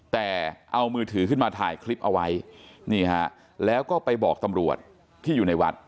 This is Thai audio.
แต่เอามือถือขึ้นมาถ่ายคลิปเอาไว้นี่ฮะแล้วก็ไปบอกตำรวจที่อยู่ในวัด